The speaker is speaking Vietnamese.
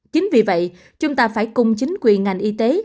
chính vì vậy chúng ta phải cùng chính quyền ngành y tế